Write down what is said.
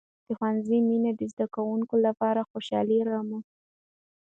د ښوونځي مینې د زده کوونکو لپاره خوشحالي راملوي.